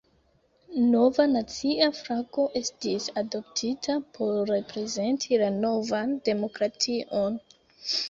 Nova nacia flago estis adoptita por reprezenti la novan demokration.